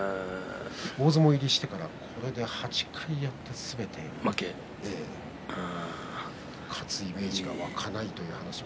大相撲入りしてからこれまで８回やってすべて負け勝つイメージが湧かないという話を。